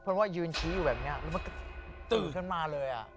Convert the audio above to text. เพราะว่ายืนชี้อยู่แบบนี้แล้วมันก็ตื่นขึ้นมาเลย